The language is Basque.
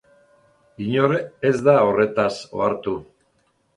Inor ez da horretaz ohartu.